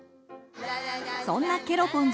そんなケロポンズ